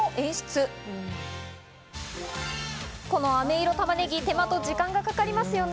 この飴色玉ねぎ、手間と時間がかかりますよね。